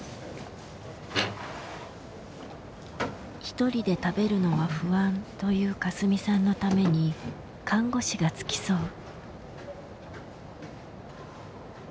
「一人で食べるのは不安」というかすみさんのために看護師が付き添う。